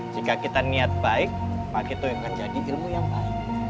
jika kita niat baik maka itu yang akan menjadi ilmu yang baik